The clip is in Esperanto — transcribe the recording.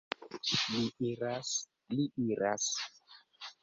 Li iras, li iras!